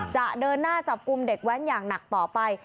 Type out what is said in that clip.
จะเดินหน้าจับกลุ่มเด็กแว้นอย่างหนักต่อไป